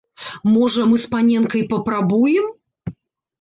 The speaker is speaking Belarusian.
Можа, мы з паненкай папрабуем?